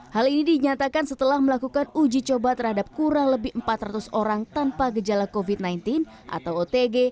hal ini dinyatakan setelah melakukan uji coba terhadap kurang lebih empat ratus orang tanpa gejala covid sembilan belas atau otg